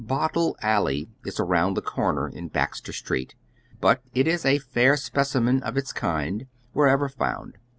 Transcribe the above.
Bottle Alley is around the corner in Baxter Street ; but it is a fair specimen of its kind, wherever found.